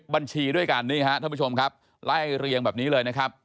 บัญชีด้วยกันนี่ฮะท่านผู้ชมครับไล่เรียงแบบนี้เลยนะครับ